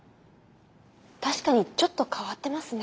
確かにちょっと変わってますね。